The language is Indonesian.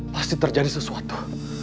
pasti terjadi sesuatu